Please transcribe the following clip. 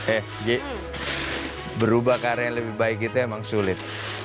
eh ji berubah karya yang lebih baik itu emang sulit